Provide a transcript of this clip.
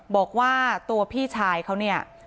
บอกว่าตัวพี่ชายเขาเนี่ย